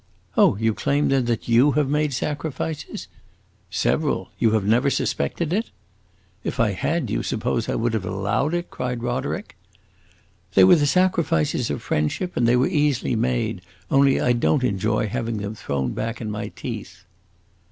"Oh, you claim then that you have made sacrifices?" "Several! You have never suspected it?" "If I had, do you suppose I would have allowed it?" cried Roderick. "They were the sacrifices of friendship and they were easily made; only I don't enjoy having them thrown back in my teeth."